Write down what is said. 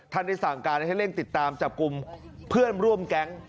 ได้สั่งการให้เร่งติดตามจับกลุ่มเพื่อนร่วมแก๊ง